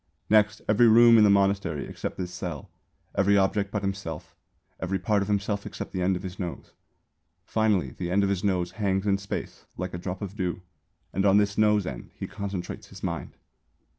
Next, every room in the monastery except this cell, every object but himself, every part of himself except the end of his nose. Finally the end of his nose hangs in space like a drop of dew and on this nose end he concentrates his mind.